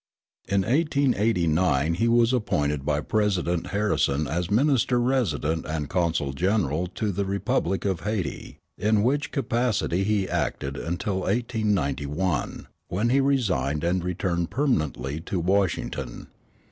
In 1889 he was appointed by President Harrison as minister resident and consul general to the Republic of Hayti, in which capacity he acted until 1891, when he resigned and returned permanently to Washington.